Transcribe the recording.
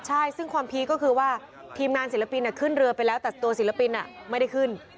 ใช่ซึ่งความพีคก็คือว่าทีมงานศิลปินขึ้นเรือไปแล้วแต่ตัวศิลปินไม่ได้ขึ้น